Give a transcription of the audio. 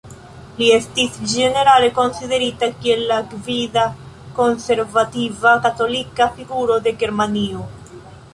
Li estis ĝenerale konsiderita kiel la gvida konservativa katolika figuro de Germanio.